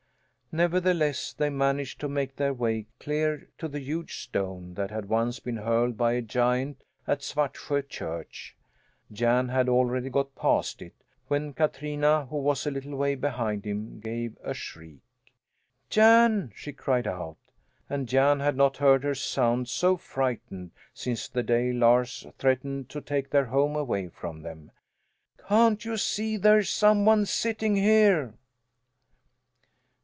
Nevertheless, they managed to make their way clear to the huge stone that had once been hurled by a giant at Svartsjö church. Jan had already got past it when Katrina, who was a little way behind him, gave a shriek. "Jan!" she cried out. And Jan had not heard her sound so frightened since the day Lars threatened to take their home away from them. "Can't you see there's some one sitting here?"